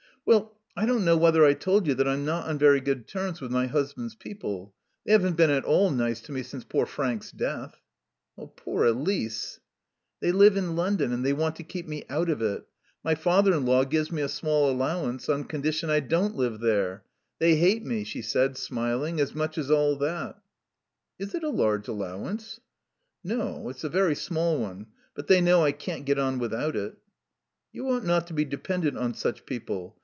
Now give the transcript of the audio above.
"Well I don't know whether I told you that I'm not on very good terms with my husband's people. They haven't been at all nice to me since poor Frank's death." "Poor Elise " "They live in London and they want to keep me out of it. My father in law gives me a small allowance on condition I don't live there. They hate me," she said, smiling, "as much as all that." "Is it a large allowance?" "No. It's a very small one. But they know I can't get on without it." "You ought not to be dependent on such people....